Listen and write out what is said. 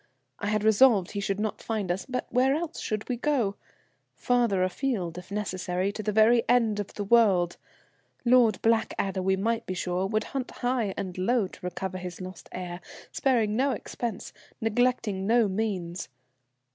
I had resolved he should not find us, but where else should we go? Farther afield, if necessary to the very end of the world. Lord Blackadder, we might be sure, would hunt high and low to recover his lost heir, sparing no expense, neglecting no means.